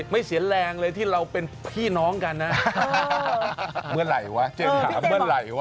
ไม่เสียแรงเลยที่เราเป็นพี่น้องกันนะเมื่อไหร่วะเจมส์ถามเมื่อไหร่วะ